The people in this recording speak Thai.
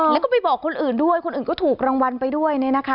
แล้วก็ไปบอกคนอื่นด้วยคนอื่นก็ถูกรางวัลไปด้วย